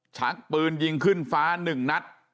ชักปืนยิงขึ้นฟ้า๑นัด